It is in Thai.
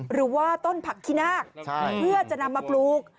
หรือว่าต้นผักขี้นาคเพื่อจะนำมาปลูก